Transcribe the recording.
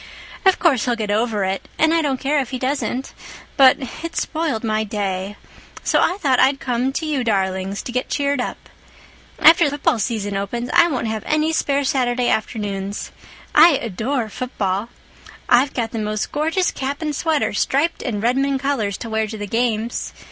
Of course he'll get over it—and I don't care if he doesn't—but it spoiled my day. So I thought I'd come to you darlings to get cheered up. After the football season opens I won't have any spare Saturday afternoons. I adore football. I've got the most gorgeous cap and sweater striped in Redmond colors to wear to the games.